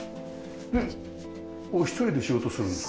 お一人で仕事するんです？